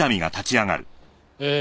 ええ。